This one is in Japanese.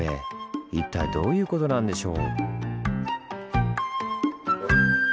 一体どういうことなんでしょう？